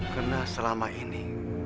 karena selama ini